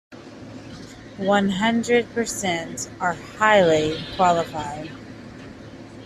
One hundred percent are "Highly Qualified".